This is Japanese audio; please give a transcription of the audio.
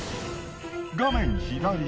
画面左。